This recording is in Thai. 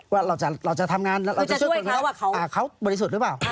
ว่าเราจะทำงานเราจะช่วยคนเขาว่าเขาบริสุทธิ์หรือเปล่า